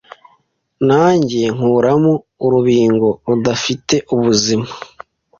Nanjye nkuramo urubingo rudafite ubuzima